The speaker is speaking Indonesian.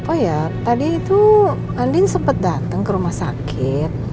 oh ya tadi itu andin sempat datang ke rumah sakit